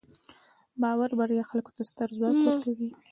د باور بریا خلکو ته ستر ځواک ورکوي.